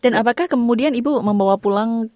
dan apakah kemudian ibu membawa pulang